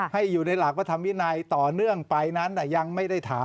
ให้อยู่ในหลักพระธรรมวินัยต่อเนื่องไปนั้นยังไม่ได้ถาม